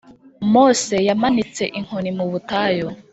mose yamanitse inkoni mubutayu